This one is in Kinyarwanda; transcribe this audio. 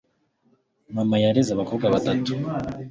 mama yareze abakobwa batatu